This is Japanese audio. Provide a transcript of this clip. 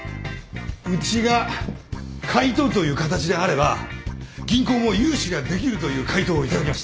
うちが買い取るという形であれば銀行も融資ができるという回答を頂きました。